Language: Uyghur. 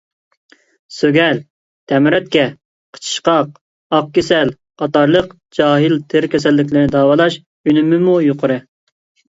سۆگەل، تەمرەتكە، قىچىشقاق، ئاق كېسەل قاتارلىق جاھىل تېرە كېسەللىكلەرنى داۋالاش ئۈنۈمىمۇ يۇقىرى.